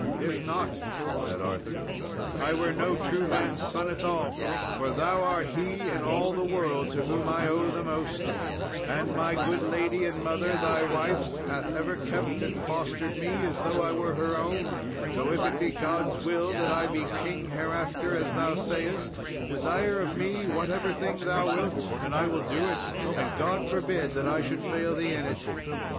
"If not," said Arthur, "I were no true man's son at all, for thou art he in all the world to whom I owe the most; and my good lady and mother, thy wife, hath ever kept and fostered me as though I were her own; so if it be God's will that I be king hereafter as thou sayest, desire of me whatever thing thou wilt and I will do it; and God forbid that I should fail thee in it."